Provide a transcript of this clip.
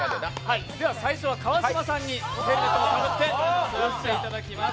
最初は川島さんにヘルメットをかぶって座っていただきます。